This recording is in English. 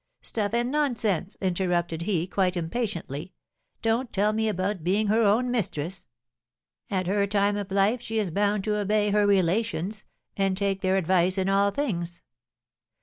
'Stuff and nonsense!' interrupted he, quite impatiently; 'don't tell me about being her own mistress; at her time of life she is bound to obey her relations, and take their advice in all things.'